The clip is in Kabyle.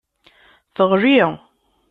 Teɣli.